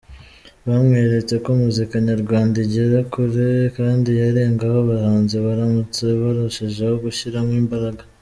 Byamweretse ko muzika Nyarwanda igera kure kandi yarengaho abahanzi baramutse barushijeho gushyiramo imbaraga.